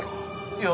いや。